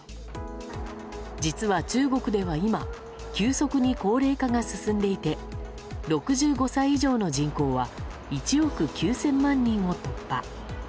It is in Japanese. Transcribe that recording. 実は、中国では今急速に高齢化が進んでいて６５歳以上の人口は１億９０００万人を突破。